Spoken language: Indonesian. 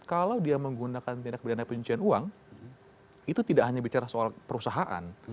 kalau dia menggunakan tindak pidana pencucian uang itu tidak hanya bicara soal perusahaan